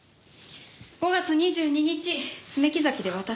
５月２２日爪木崎で渡す。